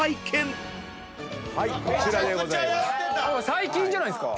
最近じゃないですか。